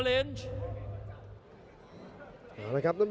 โยกขวางแก้งขวา